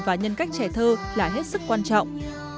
và nhân cách trẻ thơ là hết sức quan trọng